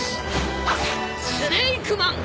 スネイクマン！